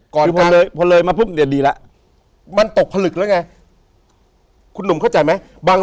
ก่อนข้าง